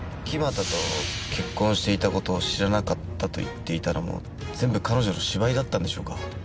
木俣と結婚していた事を知らなかったと言っていたのも全部彼女の芝居だったんでしょうか？